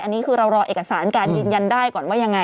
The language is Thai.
อันนี้คือเรารอเอกสารการยืนยันได้ก่อนว่ายังไง